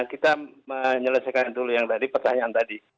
kita menyelesaikan dulu yang tadi pertanyaan tadi